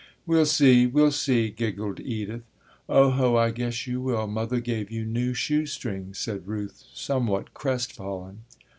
"We'll see, we'll see," giggled Edith. "Oho, I guess you will. Mother gave you new shoe strings," said Ruth somewhat crestfallen.